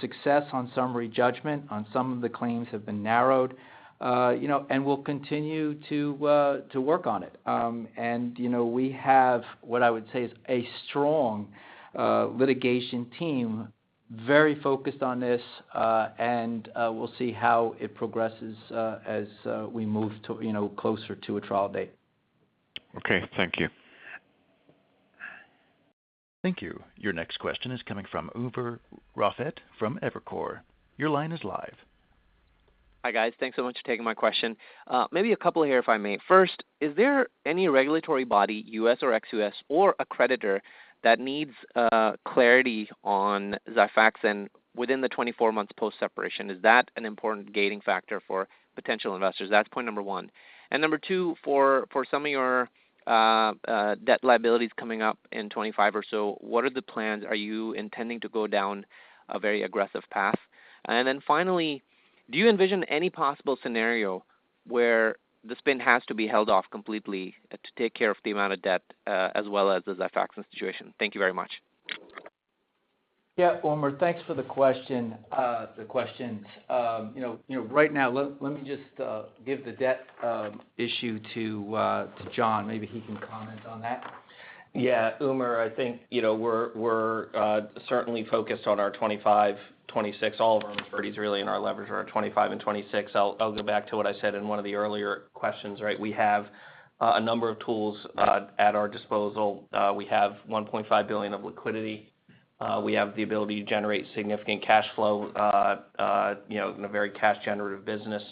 success on summary judgment, on some of the claims have been narrowed, you know, and we'll continue to work on it. And, you know, we have what I would say is a strong litigation team, very focused on this, and we'll see how it progresses as we move to, you know, closer to a trial date. Okay, thank you. Thank you. Your next question is coming from Umer Raffat from Evercore. Your line is live. Hi, guys. Thanks so much for taking my question. Maybe a couple here, if I may. First, is there any regulatory body, U.S. or ex-U.S., or a creditor that needs clarity on XIFAXAN within the 24 months post-separation? Is that an important gating factor for potential investors? That's point number one. And number two, for some of your debt liabilities coming up in 25 or so, what are the plans? Are you intending to go down a very aggressive path? And then finally, do you envision any possible scenario where the spin has to be held off completely to take care of the amount of debt as well as the XIFAXAN situation? Thank you very much. Yeah, Umer, thanks for the question, the questions. You know, right now, let me just give the debt issue to John. Maybe he can comment on that. Yeah, Umer, I think, you know, we're certainly focused on our 2025, 2026. All of our maturities really, and our leverage are on 2025 and 2026. I'll go back to what I said in one of the earlier questions, right? We have a number of tools at our disposal. We have $1.5 billion of liquidity. We have the ability to generate significant cash flow, you know, in a very cash generative business.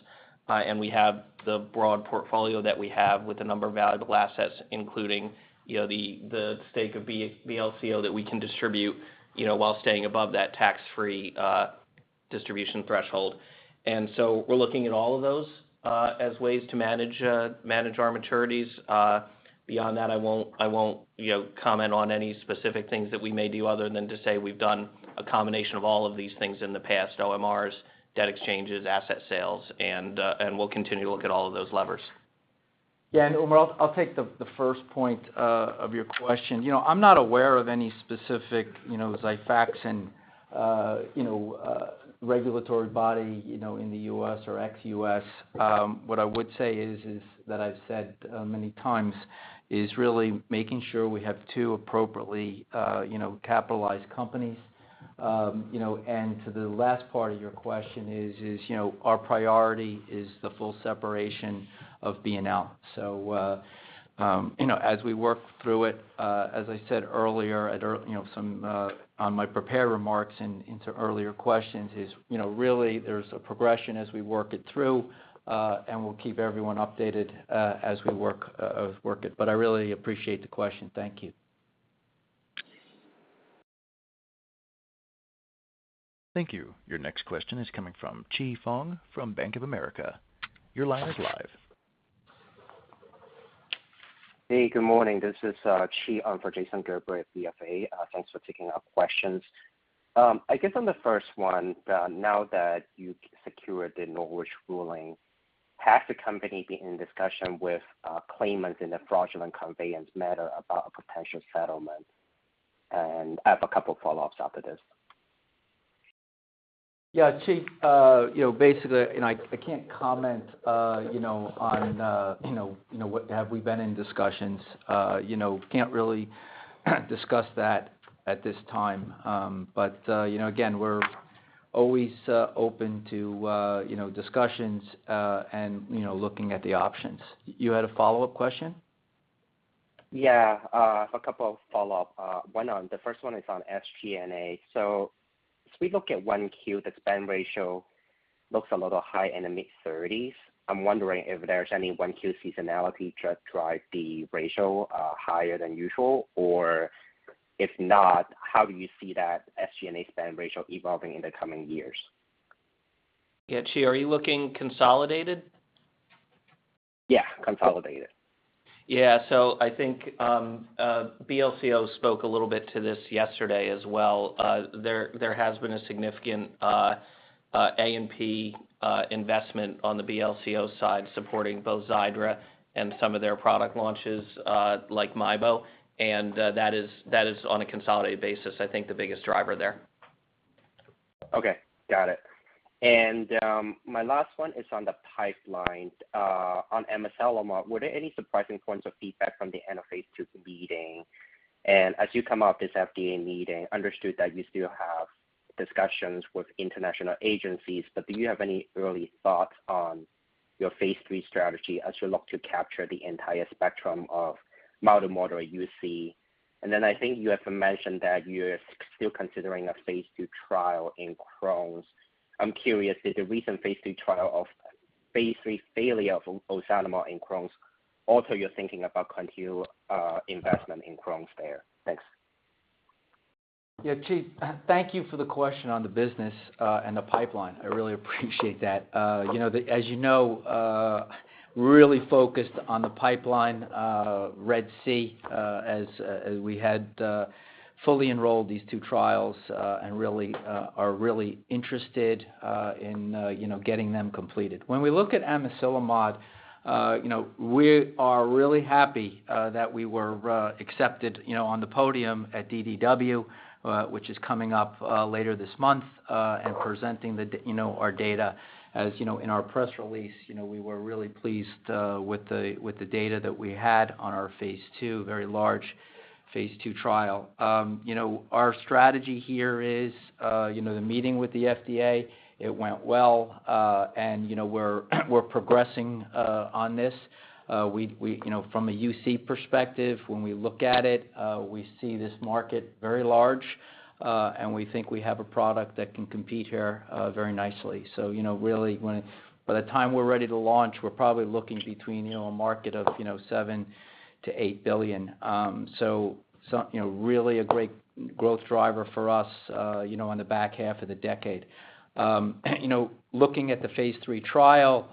And we have the broad portfolio that we have with a number of valuable assets, including, you know, the stake of BLCO that we can distribute, you know, while staying above that tax-free distribution threshold. And so we're looking at all of those as ways to manage our maturities. Beyond that, I won't, you know, comment on any specific things that we may do other than to say we've done a combination of all of these things in the past, OMRs, debt exchanges, asset sales, and we'll continue to look at all of those levers. Yeah, and Umer, I'll take the first point of your question. You know, I'm not aware of any specific, you know, Xifaxan and, you know, regulatory body, you know, in the US or ex-US. What I would say is that I've said many times is really making sure we have two appropriately, you know, capitalized companies. You know, and to the last part of your question is, you know, our priority is the full separation of Bausch + Lomb. So, you know, as we work through it, as I said earlier, you know, some on my prepared remarks and into earlier questions is, you know, really there's a progression as we work it through, and we'll keep everyone updated, as we work it. But I really appreciate the question. Thank you. Thank you. Your next question is coming from Qi Feng from Bank of America. Your line is live. Hey, good morning. This is Qi on for Jason Gerberry at BofA. Thanks for taking our questions. I guess on the first one, now that you've secured the Norwich ruling, has the company been in discussion with claimants in the fraudulent conveyance matter about a potential settlement? And I have a couple of follow-ups after this. Yeah, Qi, you know, basically, and I, I can't comment, you know, on, you know, you know, what... Have we been in discussions? You know, can't really discuss that at this time. But, you know, again, we're always, you know, open to, you know, discussions, and, you know, looking at the options. You had a follow-up question? Yeah, a couple of follow-up. One on, the first one is on SG&A. So as we look at 1Q, the spend ratio looks a little high in the mid-30s. I'm wondering if there's any 1Q seasonality to drive the ratio higher than usual, or if not, how do you see that SG&A spend ratio evolving in the coming years? Yeah, Qi, are you looking consolidated? Yeah, consolidated. Yeah. So I think, BLCO spoke a little bit to this yesterday as well. There has been a significant A&P investment on the BLCO side, supporting both Xiidra and some of their product launches, like MIEBO. And, that is on a consolidated basis, I think the biggest driver there. Okay, got it. And, my last one is on the pipeline, on Amiselimod. Were there any surprising points of feedback from the end of phase 2 meeting? And as you come out this FDA meeting, understood that you still have discussions with international agencies, but do you have any early thoughts on your phase 3 strategy as you look to capture the entire spectrum of mild to moderate UC? And then I think you have mentioned that you're still considering a phase 2 trial in Crohn's. I'm curious, did the recent phase 2 trial of phase 3 failure of Ozanimod in Crohn's, alter your thinking about continued, investment in Crohn's there? Thanks. Yeah, Qi, thank you for the question on the business, and the pipeline. I really appreciate that. You know, as you know, really focused on the pipeline, RED-C, as we had fully enrolled these two trials, and really are really interested in you know, getting them completed. When we look at Amiselimod, you know, we are really happy that we were accepted, you know, on the podium at DDW, which is coming up later this month, and presenting you know, our data. As you know, in our press release, you know, we were really pleased with the, with the data that we had on our phase two, very large phase two trial. You know, our strategy here is, you know, the meeting with the FDA, it went well, and, you know, we're progressing on this. You know, from a UC perspective, when we look at it, we see this market very large, and we think we have a product that can compete here very nicely. So, you know, really, when by the time we're ready to launch, we're probably looking between, you know, a market of, you know, $7 billion-$8 billion. You know, really a great growth driver for us, you know, on the back half of the decade. You know, looking at the phase 3 trial,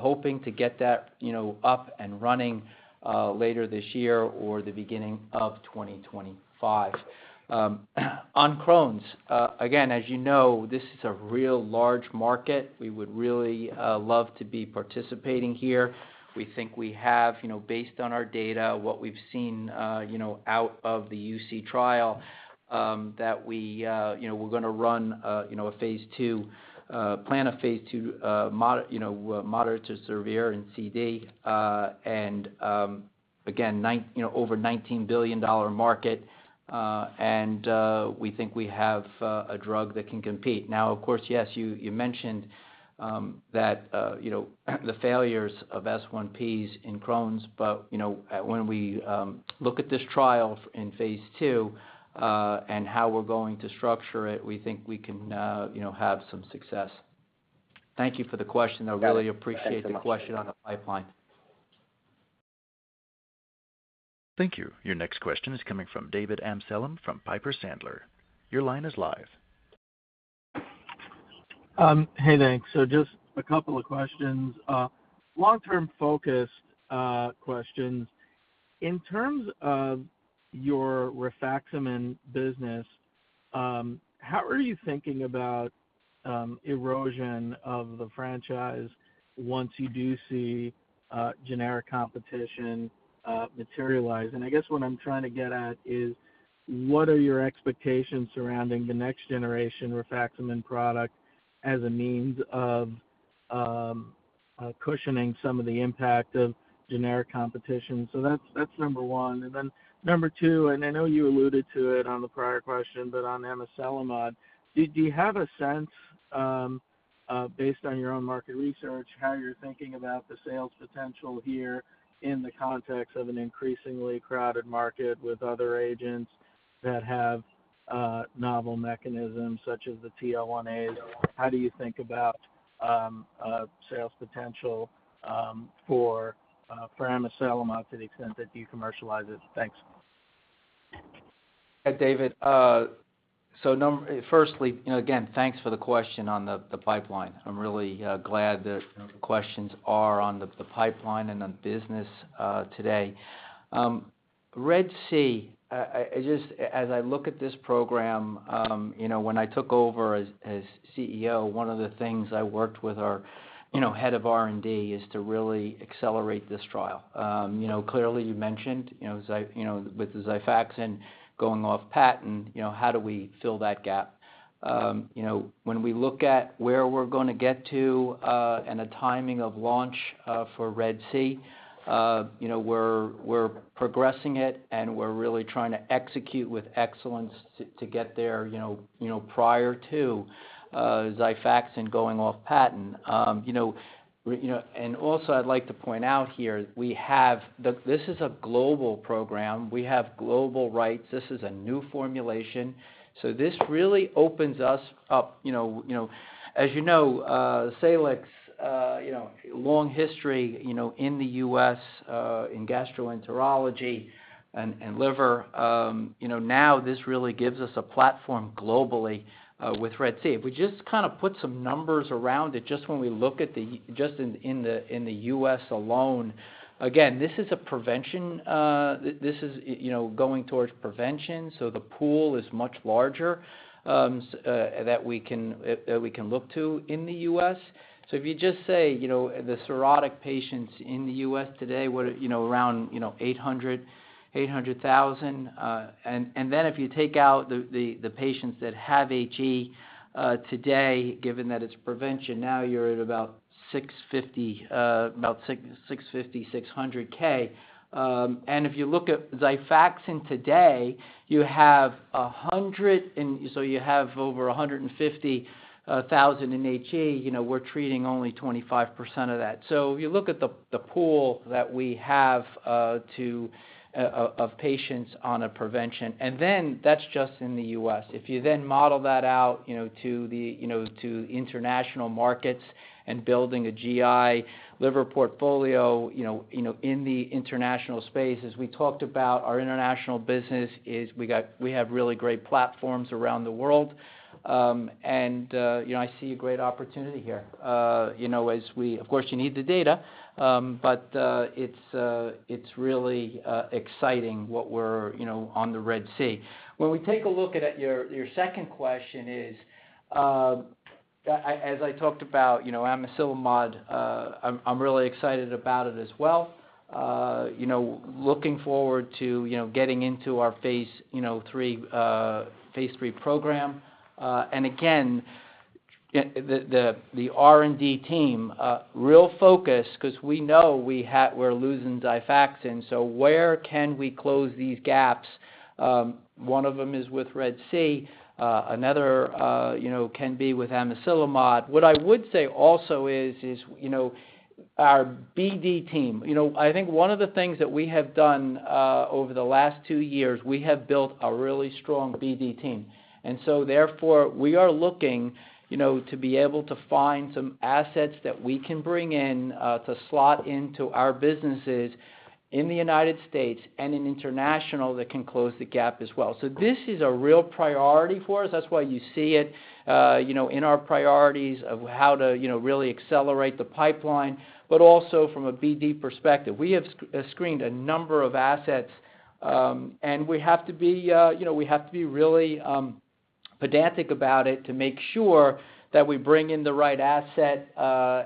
hoping to get that, you know, up and running, later this year or the beginning of 2025. On Crohn's, again, as you know, this is a real large market. We would really love to be participating here. We think we have, you know, based on our data, what we've seen, you know, out of the UC trial, that we, you know, we're gonna run, you know, a phase two, plan a phase two, you know, moderate to severe in CD. And, again, over $19 billion market, and, we think we have, a drug that can compete. Now, of course, yes, you mentioned, that, you know, the failures of S1Ps in Crohn's, but, you know, when we look at this trial in phase two, and how we're going to structure it, we think we can, you know, have some success. Thank you for the question. I really appreciate the question on the pipeline. ... Thank you. Your next question is coming from David Amsellem from Piper Sandler. Your line is live. Hey, thanks. So just a couple of questions. Long-term focused questions. In terms of your rifaximin business, how are you thinking about erosion of the franchise once you do see generic competition materialize? And I guess what I'm trying to get at is: what are your expectations surrounding the next generation rifaximin product as a means of cushioning some of the impact of generic competition? So that's, that's number one. And then number two, and I know you alluded to it on the prior question, but on amosilimod, do you have a sense based on your own market research, how you're thinking about the sales potential here in the context of an increasingly crowded market with other agents that have novel mechanisms, such as the TL1As? How do you think about sales potential for Amosilimod to the extent that you commercialize it? Thanks. Hi, David. So, firstly, you know, again, thanks for the question on the pipeline. I'm really glad that the questions are on the pipeline and on business today. RED-C, I just... As I look at this program, you know, when I took over as CEO, one of the things I worked with our, you know, head of R&D, is to really accelerate this trial. You know, clearly, you mentioned, you know, Xifaxan going off patent, you know, how do we fill that gap? You know, when we look at where we're gonna get to, and the timing of launch, for RED-C, you know, we're progressing it, and we're really trying to execute with excellence to get there, you know, prior to Xifaxan going off patent. You know, we, you know, and also, I'd like to point out here, we have the, this is a global program. We have global rights. This is a new formulation, so this really opens us up, you know, you know. As you know, Salix, you know, long history, you know, in the U.S., in gastroenterology and, and liver. You know, now this really gives us a platform globally, with RED-C. If we just kinda put some numbers around it, just when we look at the just in, in the, in the U.S. alone, again, this is a prevention, this is, you know, going towards prevention, so the pool is much larger, that we can, that we can look to in the U.S. So if you just say, you know, the cirrhotic patients in the U.S. today were, you know, around, you know, 800,000, and then if you take out the patients that have HE today, given that it's prevention, now you're at about 650, about 650,000. And if you look at Xifaxan today, you have 100, and so you have over 150,000 in HE. You know, we're treating only 25% of that. So if you look at the pool that we have of patients on a prevention, and then that's just in the U.S. If you then model that out, you know, to the, you know, to international markets and building a GI liver portfolio, you know, you know, in the international space, as we talked about, our international business is we have really great platforms around the world. And, you know, I see a great opportunity here. You know, as we, of course, you need the data, but, it's really exciting what we're, you know, on the RED-C. When we take a look at your second question is, I, as I talked about, you know, Amiselimod, I'm really excited about it as well. You know, looking forward to, you know, getting into our Phase III program. And again, the R&D team real focused, 'cause we know we're losing Xifaxan, so where can we close these gaps? One of them is with RED-C, another, you know, can be with amosilimod. What I would say also is, you know, our BD team. You know, I think one of the things that we have done over the last two years, we have built a really strong BD team, and so therefore, we are looking, you know, to be able to find some assets that we can bring in to slot into our businesses in the United States and in international that can close the gap as well. So this is a real priority for us. That's why you see it, you know, in our priorities of how to, you know, really accelerate the pipeline, but also from a BD perspective. We have screened a number of assets, and we have to be, you know, we have to be really pedantic about it to make sure that we bring in the right asset,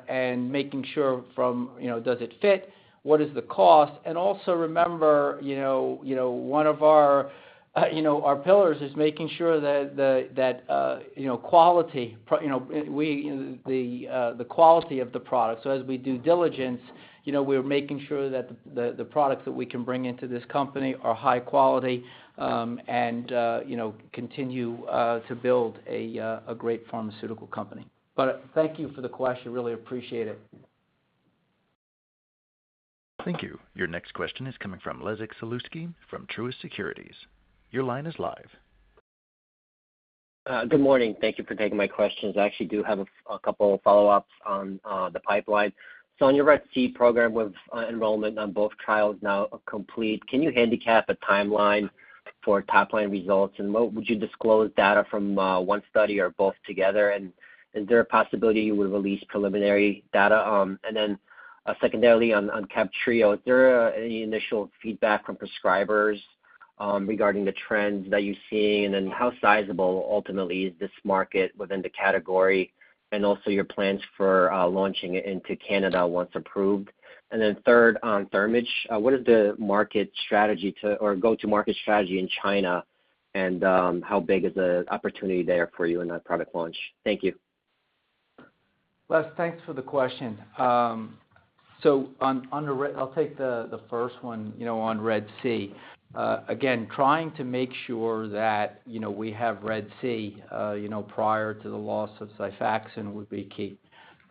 and making sure from, you know, does it fit? What is the cost? And also, remember, you know, you know, one of our, you know, our pillars is making sure that the, that, you know, quality, you know, we, the, the quality of the product. So as we do diligence, you know, we're making sure that the products that we can bring into this company are high quality, and you know, continue to build a great pharmaceutical company. But thank you for the question, really appreciate it. Thank you. Your next question is coming from Les Sulewski from Truist Securities. Your line is live.... Good morning. Thank you for taking my questions. I actually do have a couple of follow-ups on the pipeline. So on your RED-C program, with enrollment on both trials now complete, can you handicap a timeline for top line results? And what would you disclose data from one study or both together? And is there a possibility you would release preliminary data? And then secondarily, on CABTRIO, is there any initial feedback from prescribers regarding the trends that you're seeing? And then how sizable, ultimately, is this market within the category, and also your plans for launching it into Canada once approved? And then third, on Thermage, what is the market strategy to-- or go-to-market strategy in China? And how big is the opportunity there for you in that product launch? Thank you. Les, thanks for the question. So on the RED-C, I'll take the first one, you know, on RED-C. Again, trying to make sure that, you know, we have RED-C, you know, prior to the loss of Xifaxan would be key.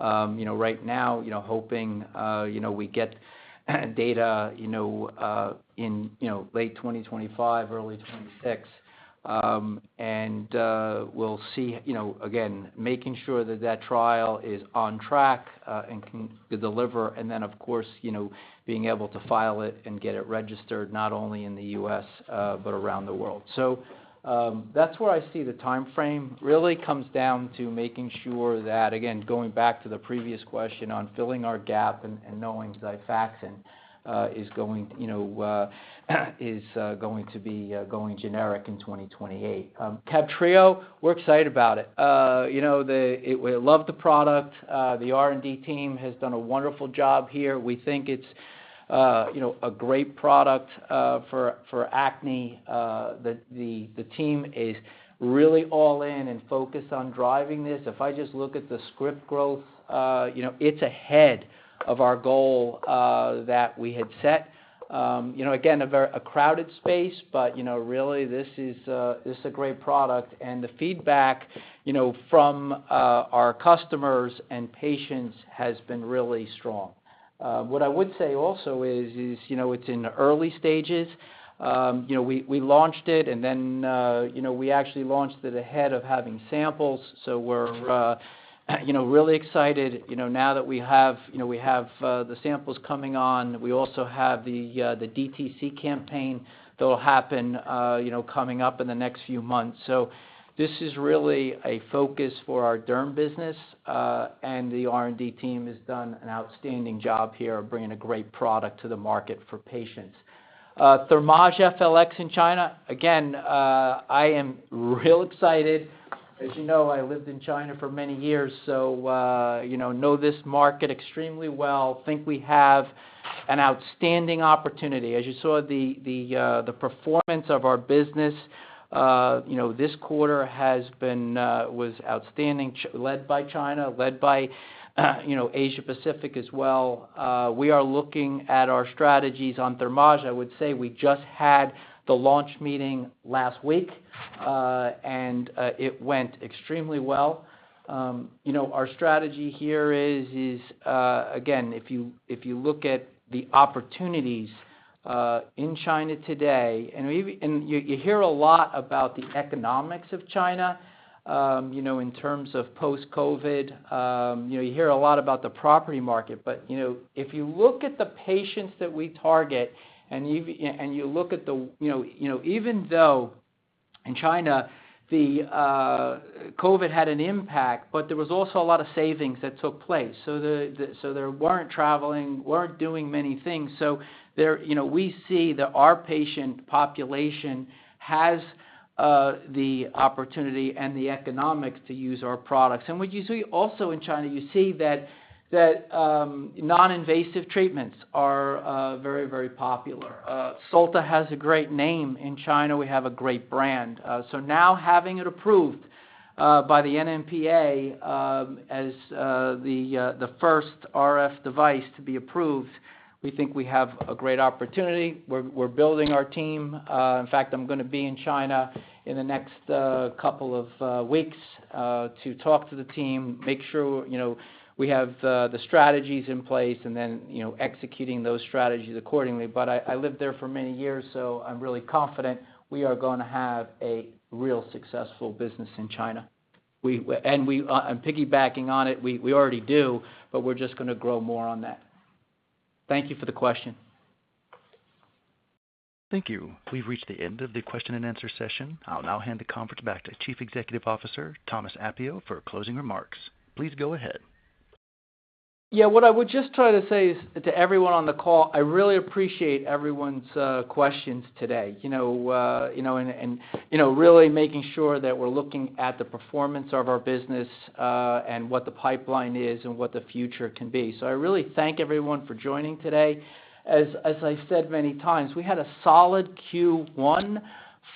You know, right now, you know, hoping, you know, we get data, you know, in, you know, late 2025, early 2026. And we'll see. You know, again, making sure that that trial is on track, and can deliver, and then, of course, you know, being able to file it and get it registered, not only in the U.S., but around the world. So, that's where I see the timeframe. Really comes down to making sure that, again, going back to the previous question on filling our gap and knowing Xifaxan is going, you know, to be going generic in 2028. CABTREO, we're excited about it. You know, we love the product. The R&D team has done a wonderful job here. We think it's, you know, a great product for acne. The team is really all in and focused on driving this. If I just look at the script growth, you know, it's ahead of our goal that we had set. You know, again, a very crowded space, but, you know, really, this is a great product, and the feedback, you know, from our customers and patients has been really strong. What I would say also is, you know, it's in the early stages. You know, we launched it, and then, you know, we actually launched it ahead of having samples, so we're, you know, really excited, you know, now that we have, you know, we have the samples coming on. We also have the DTC campaign that will happen, you know, coming up in the next few months. So this is really a focus for our derm business, and the R&D team has done an outstanding job here of bringing a great product to the market for patients. Thermage FLX in China, again, I am real excited. As you know, I lived in China for many years, so, you know, know this market extremely well. Think we have an outstanding opportunity. As you saw, the performance of our business, you know, this quarter has been, was outstanding, led by China, led by, you know, Asia Pacific as well. We are looking at our strategies on Thermage. I would say we just had the launch meeting last week, and it went extremely well. You know, our strategy here is, again, if you look at the opportunities in China today, and even. And you hear a lot about the economics of China, you know, in terms of post-COVID. You know, you hear a lot about the property market, but, you know, if you look at the patients that we target, and you look at the, you know, even though in China, the COVID had an impact, but there was also a lot of savings that took place. So, there weren't traveling, weren't doing many things, so there. You know, we see that our patient population has the opportunity and the economics to use our products. And what you see also in China, you see that non-invasive treatments are very, very popular. Solta has a great name in China. We have a great brand. So now having it approved by the NMPA as the first RF device to be approved, we think we have a great opportunity. We're building our team. In fact, I'm gonna be in China in the next couple of weeks to talk to the team, make sure, you know, we have the strategies in place and then, you know, executing those strategies accordingly. But I lived there for many years, so I'm really confident we are gonna have a real successful business in China. And piggybacking on it, we already do, but we're just gonna grow more on that. Thank you for the question. Thank you. We've reached the end of the question and answer session. I'll now hand the conference back to Chief Executive Officer, Thomas Appio, for closing remarks. Please go ahead. Yeah, what I would just try to say is, to everyone on the call, I really appreciate everyone's questions today. You know, you know, and, you know, really making sure that we're looking at the performance of our business, and what the pipeline is and what the future can be. So I really thank everyone for joining today. As I said many times, we had a solid Q1,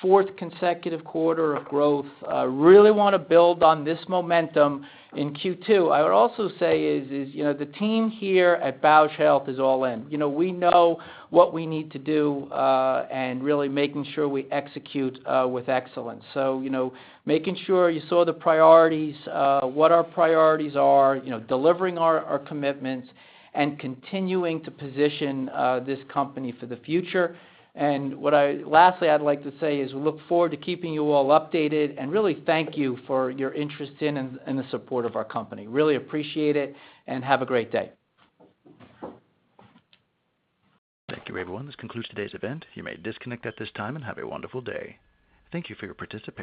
fourth consecutive quarter of growth. Really wanna build on this momentum in Q2. I would also say is, you know, the team here at Bausch Health is all in. You know, we know what we need to do, and really making sure we execute with excellence. So, you know, making sure you saw the priorities, what our priorities are, you know, delivering our, our commitments and continuing to position this company for the future. Lastly, I'd like to say is we look forward to keeping you all updated, and really thank you for your interest in and, and the support of our company. Really appreciate it, and have a great day. Thank you, everyone. This concludes today's event. You may disconnect at this time, and have a wonderful day. Thank you for your participation.